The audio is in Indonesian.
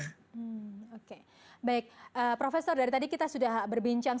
hmm oke baik profesor dari tadi kita sudah berbincang